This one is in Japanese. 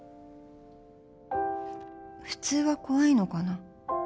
普通は怖いのかな？